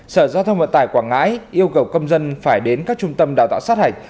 sở giao thông vận tải quảng ngãi yêu cầu công dân phải đến các trung tâm đào tạo sát hạch